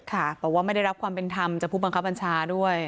บอกว่าไม่ได้รับความเป็นธรรมจากผู้บังคับบัญชาด้วย